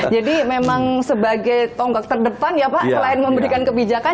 jadi memang sebagai tonggak terdepan ya pak selain memberikan kebijakan